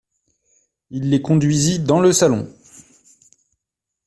Il les conduisit dans le salon.